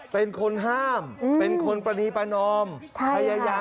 เป็นคนห้ามเป็นคนปฏิบันอมใช่ค่ะ